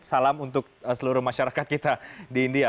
salam untuk seluruh masyarakat kita di india